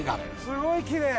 すごいきれい！